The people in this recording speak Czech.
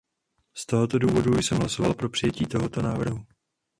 Z tohoto důvodu jsem hlasoval pro přijetí tohoto návrhu.